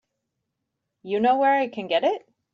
You know where I can get it?